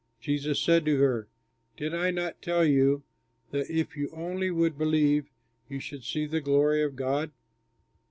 Jesus said to her, "Did I not tell you that if you only would believe you should see the glory of God?"